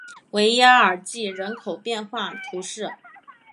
维耶尔济人口变化图示